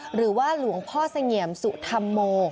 หรือว่าหลวงพ่อเสงี่ยมสุธรรมโม